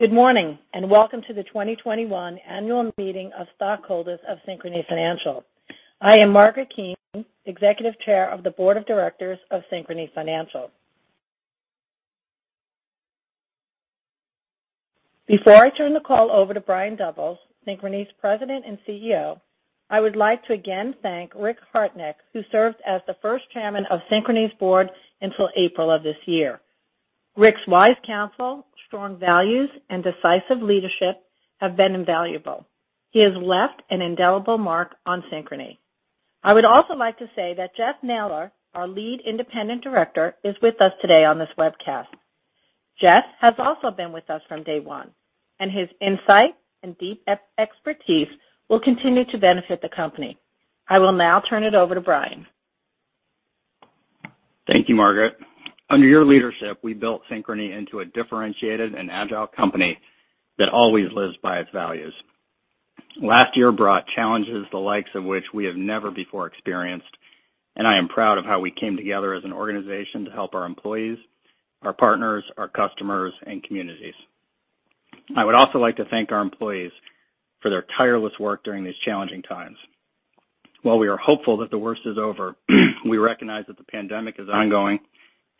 Good morning, and welcome to the 2021 annual meeting of stockholders of Synchrony Financial. I am Margaret Keane, Executive Chair of the Board of Directors of Synchrony Financial. Before I turn the call over to Brian Doubles, Synchrony's President and CEO, I would like to again thank Richard Hartnack, who served as the first chairman of Synchrony's board until April of this year. Rick's wise counsel, strong values, and decisive leadership have been invaluable. He has left an indelible mark on Synchrony. I would also like to say that Jeff Naylor, our lead independent director, is with us today on this webcast. Jeff has also been with us from day one, and his insight and deep expertise will continue to benefit the company. I will now turn it over to Brian. Thank you, Margaret. Under your leadership, we built Synchrony into a differentiated and agile company that always lives by its values. Last year brought challenges the likes of which we have never before experienced, and I am proud of how we came together as an organization to help our employees, our partners, our customers, and communities. I would also like to thank our employees for their tireless work during these challenging times. While we are hopeful that the worst is over, we recognize that the pandemic is ongoing, and we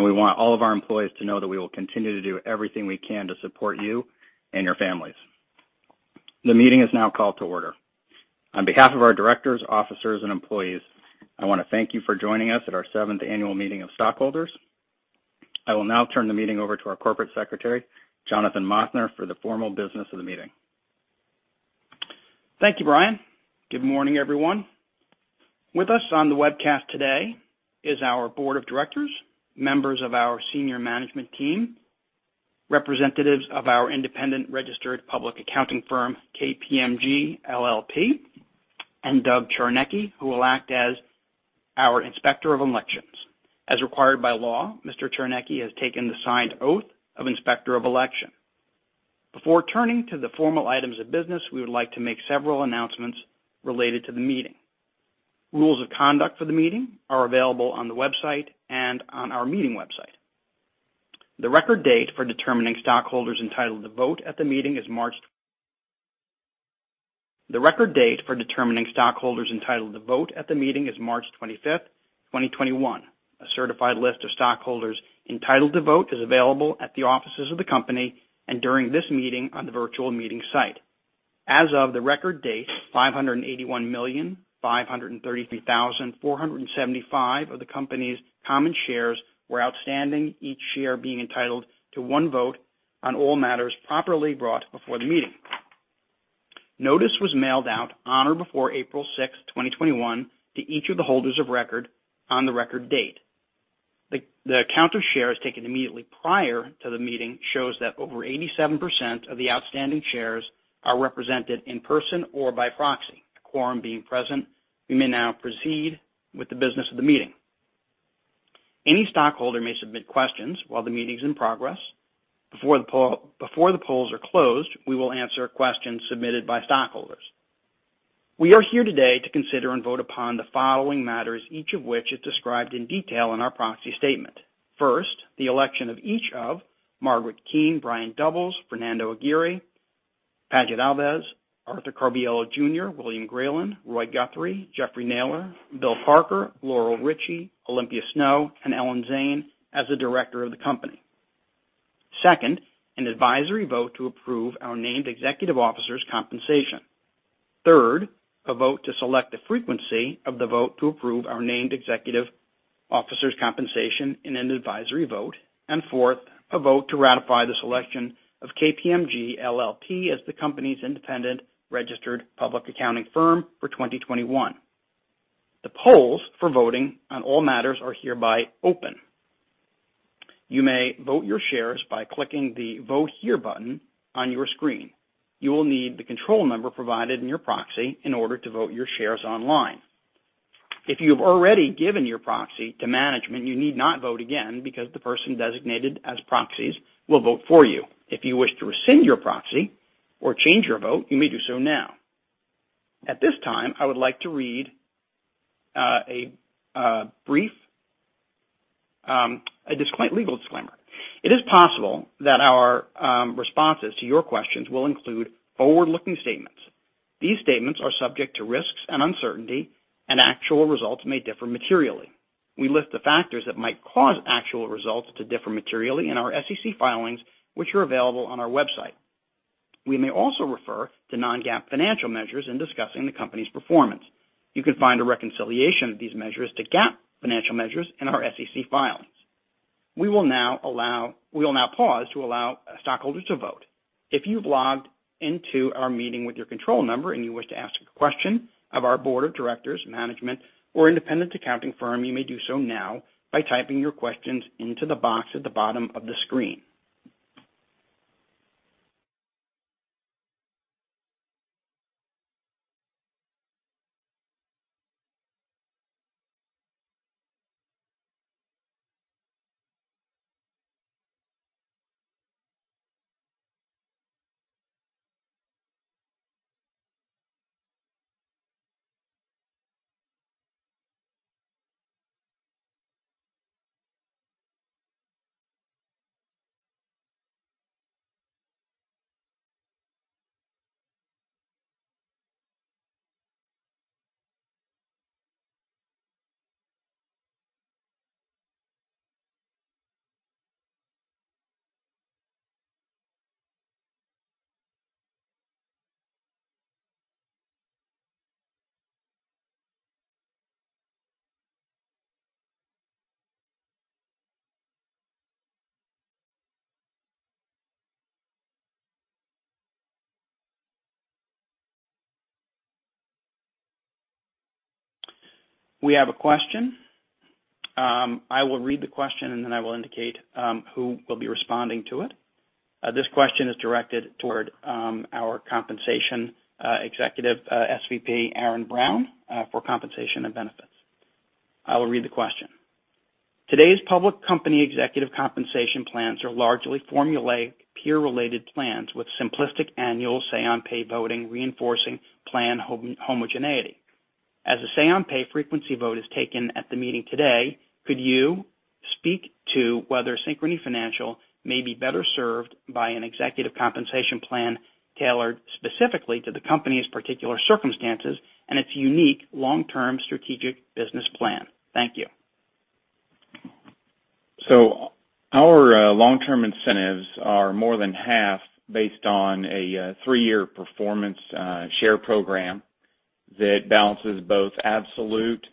want all of our employees to know that we will continue to do everything we can to support you and your families. The meeting is now called to order. On behalf of our directors, officers, and employees, I want to thank you for joining us at our seventh annual meeting of stockholders. I will now turn the meeting over to our Corporate Secretary, Jonathan Mothner, for the formal business of the meeting. Thank you, Brian. Good morning, everyone. With us on the webcast today is our board of directors, members of our senior management team, representatives of our independent registered public accounting firm, KPMG LLP, and Doug Czarnecki, who will act as our inspector of elections. As required by law, Mr. Czarnecki has taken the signed oath of inspector of election. Before turning to the formal items of business, we would like to make several announcements related to the meeting. Rules of conduct of the meeting are available on the website and on our meeting website. The record date for determining stockholders entitled to vote at the meeting is March 25th, 2021. A certified list of stockholders entitled to vote is available at the offices of the company and during this meeting on the virtual meeting site. As of the record date, 581,533,475 of the company's common shares were outstanding, each share being entitled to one vote on all matters properly brought before the meeting. Notice was mailed out on or before April 6th, 2021 to each of the holders of record on the record date. The count of shares taken immediately prior to the meeting shows that over 87% of the outstanding shares are represented in person or by proxy. The quorum being present, we may now proceed with the business of the meeting. Any stockholder may submit questions while the meeting's in progress. Before the polls are closed, we will answer questions submitted by stockholders. We are here today to consider and vote upon the following matters, each of which is described in detail in our proxy statement. First, the election of each of Margaret Keane, Brian Doubles, Fernando Aguirre, Paget Alves, Arthur Coviello Jr., William Graylin, Roy Guthrie, Jeffrey Naylor, Bill Parker, Laurel Richie, Olympia Snowe, and Ellen Zane as a director of the company. Second, an advisory vote to approve our named executive officers' compensation. Third, a vote to select the frequency of the vote to approve our named executive officers' compensation in an advisory vote. Fourth, a vote to ratify the selection of KPMG LLP as the company's independent registered public accounting firm for 2021. The polls for voting on all matters are hereby open. You may vote your shares by clicking the Vote Here button on your screen. You will need the control number provided in your proxy in order to vote your shares online. If you have already given your proxy to management, you need not vote again because the person designated as proxies will vote for you. If you wish to rescind your proxy or change your vote, you may do so now. At this time, I would like to read a brief legal disclaimer. It is possible that our responses to your questions will include forward-looking statements. These statements are subject to risks and uncertainty and actual results may differ materially. We list the factors that might cause actual results to differ materially in our SEC filings, which are available on our website. We may also refer to non-GAAP financial measures in discussing the company's performance. You can find a reconciliation of these measures to GAAP financial measures in our SEC filings. We will now pause to allow stockholders to vote. If you've logged into our meeting with your control number and you wish to ask a question of our board of directors, management, or independent accounting firm, you may do so now by typing your questions into the box at the bottom of the screen. We have a question. I will read the question, and then I will indicate who will be responding to it. This question is directed toward our compensation executive SVP, Aaron Brown, for compensation and benefits. I will read the question. Today's public company executive compensation plans are largely formulaic, peer-related plans with simplistic annual say-on-pay voting reinforcing plan homogeneity. As a say-on-pay frequency vote is taken at the meeting today, could you speak to whether Synchrony Financial may be better served by an executive compensation plan tailored specifically to the company's particular circumstances and its unique long-term strategic business plan? Thank you. Our long-term incentives are more than half based on a three-year performance share program that balances both absolute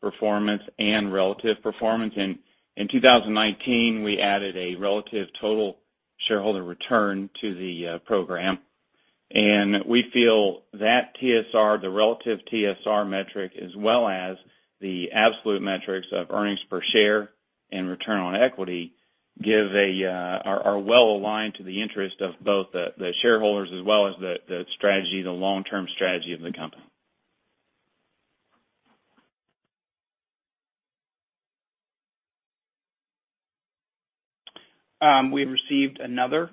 performance and relative performance. In 2019, we added a relative total shareholder return to the program. We feel that TSR, the relative TSR metric, as well as the absolute metrics of earnings per share and return on equity, are well-aligned to the interest of both the shareholders as well as the long-term strategy of the company. We received another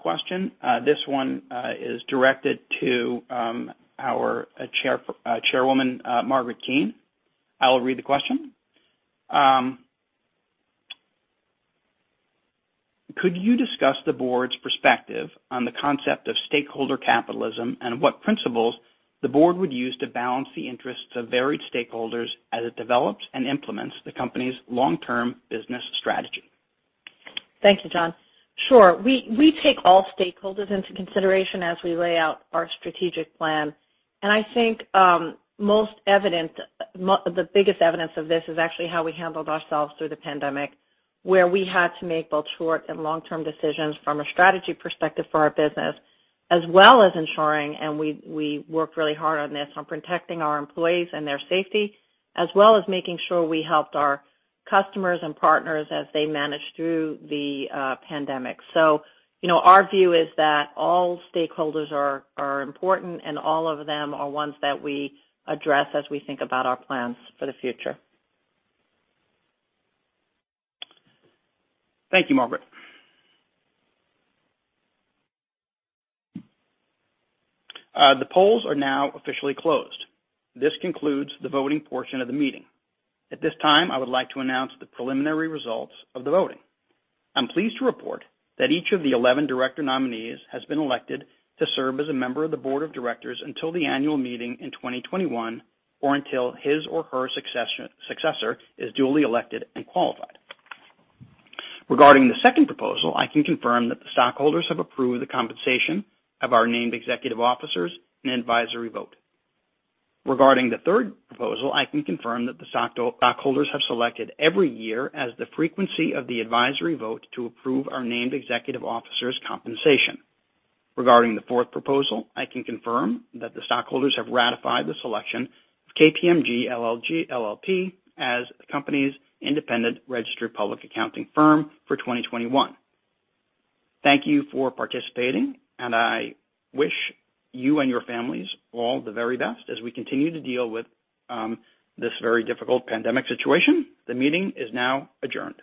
question. This one is directed to our Chairwoman, Margaret Keane. I will read the question. Could you discuss the board's perspective on the concept of stakeholder capitalism and what principles the board would use to balance the interests of varied stakeholders as it develops and implements the company's long-term business strategy? Thank you, John. Sure. We take all stakeholders into consideration as we lay out our strategic plan, and I think the biggest evidence of this is actually how we handled ourselves through the pandemic, where we had to make both short and long-term decisions from a strategy perspective for our business, as well as ensuring, and we worked really hard on this, on protecting our employees and their safety, as well as making sure we helped our customers and partners as they managed through the pandemic. Our view is that all stakeholders are important and all of them are ones that we address as we think about our plans for the future. Thank you, Margaret. The polls are now officially closed. This concludes the voting portion of the meeting. At this time, I would like to announce the preliminary results of the voting. I'm pleased to report that each of the 11 director nominees has been elected to serve as a member of the board of directors until the annual meeting in 2021 or until his or her successor is duly elected and qualified. Regarding the second proposal, I can confirm that the stockholders have approved the compensation of our named executive officers and advisory vote. Regarding the third proposal, I can confirm that the stockholders have selected every year as the frequency of the advisory vote to approve our named executive officers' compensation. Regarding the fourth proposal, I can confirm that the stockholders have ratified the selection of KPMG LLP as the company's independent registered public accounting firm for 2021. Thank you for participating, and I wish you and your families all the very best as we continue to deal with this very difficult pandemic situation. The meeting is now adjourned.